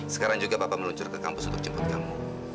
sekarang juga bapak meluncur ke kampus untuk jemput kamu